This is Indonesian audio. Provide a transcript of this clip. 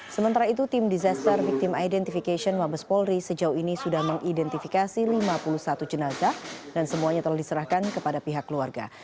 sementara itu tim disaster victim identification mabes polri sejauh ini sudah mengidentifikasi lima puluh satu jenazah dan semuanya telah diserahkan kepada pihak keluarga